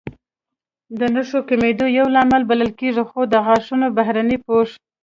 د نښو کمېدو یو لامل بلل کېږي، خو د غاښونو بهرنی پوښ